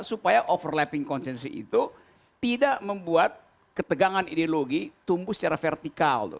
supaya overlapping konsensus itu tidak membuat ketegangan ideologi tumbuh secara vertikal